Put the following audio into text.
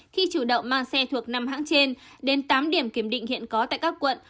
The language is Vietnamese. khi chủ động mang xe thuộc năm hãng trên đến tám điểm kiểm định hiện có tại các quận